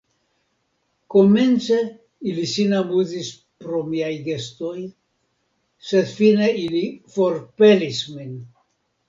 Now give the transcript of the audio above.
Komence ili sin amuzis pro miaj gestoj, sed fine ili forpelis min.